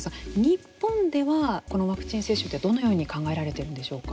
日本ではこのワクチン接種ってどのように考えられているんでしょうか。